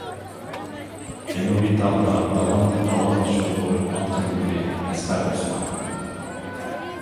جەنۇبىي تاغدا داۋاندىن داۋانغا شۇڭغۇپ ئاتقا مىندى ئەسقەر ئوسمان.